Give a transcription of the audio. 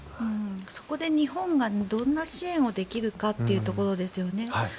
そこで日本がどんな支援をできるかというところですよね。